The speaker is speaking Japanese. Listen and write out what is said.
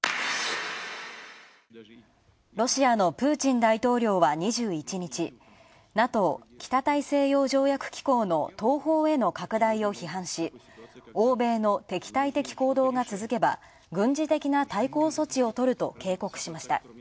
ロシアのプーチン大統領は、２１日、ＮＡＴＯ＝北大西洋条約機構の東方への拡大を批判し、欧米の敵対的行動が続けば、軍事的に対応すると警告しました。